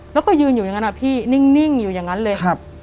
แล้วก็ยืนอยู่อย่างนั้นอะพี่นิ่งอยู่อย่างนั้นเลย